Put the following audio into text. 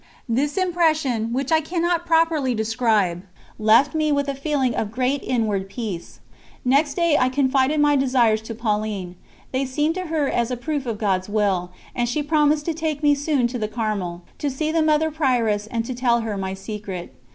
This impression, which I cannot properly describe, left me with a feeling of great inward peace. Next day I confided my desires to Pauline. They seemed to her as a proof of God's Will, and she promised to take me soon to the Carmel, to see the Mother Prioress and to tell her my secret.